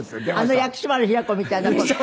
あの薬師丸ひろ子みたいな子？